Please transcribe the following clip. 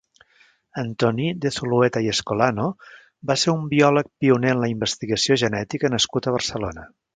Antoní de Zulueta i Escolano va ser un biòleg pioner en la investigació genética nascut a Barcelona.